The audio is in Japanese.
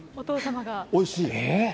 おいしい？